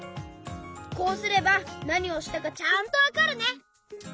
こうすればなにをしたかちゃんとわかるね！